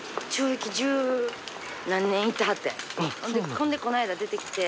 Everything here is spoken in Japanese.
ほんでこの間出てきて。